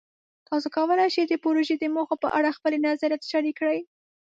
تاسو کولی شئ د پروژې د موخو په اړه خپلې نظریات شریک کړئ.